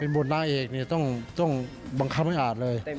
เป็นบุญนางเอกเนี่ยต้องบังคับให้อ่านเลย